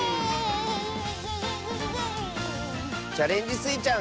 「チャレンジスイちゃん」